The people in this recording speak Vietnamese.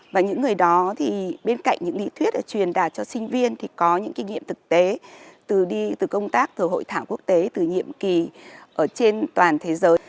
và những người đó thì bên cạnh những lý thuyết truyền đạt cho sinh viên thì có những kinh nghiệm thực tế từ đi từ công tác từ hội thảo quốc tế từ nhiệm kỳ ở trên toàn thế giới